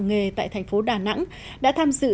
nghề tại thành phố đà nẵng đã tham dự